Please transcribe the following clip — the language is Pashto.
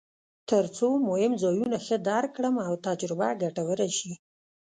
ترڅو مهم ځایونه ښه درک کړم او تجربه ګټوره شي.